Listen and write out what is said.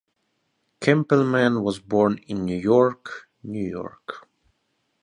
Kampelman was born in New York, New York.